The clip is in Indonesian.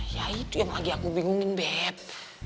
ya itu yang lagi aku bingungin bed